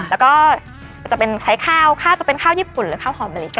แล้วก็จะเป็นใช้ข้าวข้าวจะเป็นข้าวญี่ปุ่นหรือข้าวหอมมะลิ